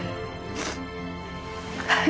はい。